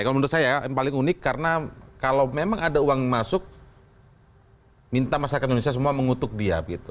kalau menurut saya yang paling unik karena kalau memang ada uang masuk minta masyarakat indonesia semua mengutuk dia